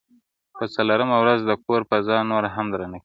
په څلورمه ورځ د کور فضا نوره هم درنه کيږي,